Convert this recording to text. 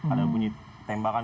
ada bunyi tembakan